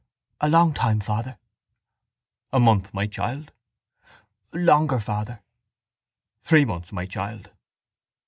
—A long time, father. —A month, my child? —Longer, father. —Three months, my child?